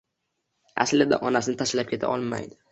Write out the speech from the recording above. Aslida, onasini tashlab keta olmaydi